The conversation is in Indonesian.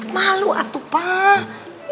malu atuh pak